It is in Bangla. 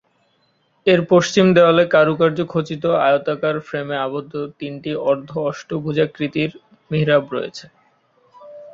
এর পশ্চিম দেওয়ালে কারুকার্য খচিত আয়তাকার ফ্রেমে আবদ্ধ তিনটি অর্ধ-অষ্টভুজাকৃতির মিহরাব রয়েছে।